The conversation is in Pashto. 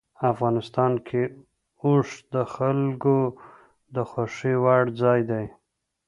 افغانستان کې اوښ د خلکو د خوښې وړ ځای دی.